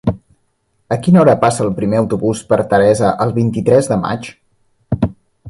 A quina hora passa el primer autobús per Teresa el vint-i-tres de maig?